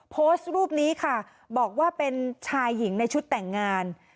โพสต์รูปนี้ค่ะบอกว่าเป็นชายหญิงในชุดแต่งงาน